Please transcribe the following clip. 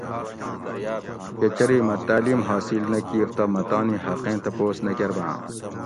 کہ چری مہ تعلیم حاصل نہ کیر تہ مہ تانی حقیں تپوس نہ کۤرباۤں